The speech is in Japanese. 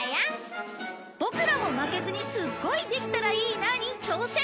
ボクらも負けずにすごい「できたらいいな」に挑戦！